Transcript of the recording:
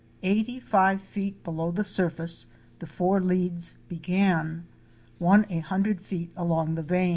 Eighty five feet below the surface the four leads began, one a hundred feet along the vein.